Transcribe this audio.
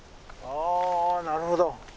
あなるほど。